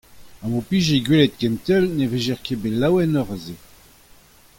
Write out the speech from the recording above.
Ha m'ho pije gwelet kement all ne vijec'h ket bet laouenoc'h a se.